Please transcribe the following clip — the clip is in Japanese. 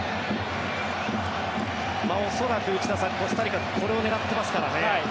恐らく内田さん、コスタリカはこれを狙ってますからね。